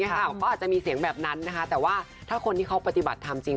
เขาอาจจะมีเสียงแบบนั้นนะคะแต่ว่าถ้าคนที่เขาปฏิบัติธรรมจริง